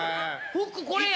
「フックこれや」